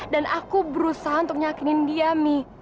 dan aku berusaha untuk nyakinin dia mi